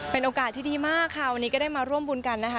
เป็นโอกาสที่ดีมากค่ะวันนี้ก็ได้มาร่วมบุญกันนะคะ